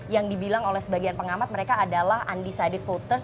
yang dibilang oleh sebagian pengamat mereka adalah undecided voters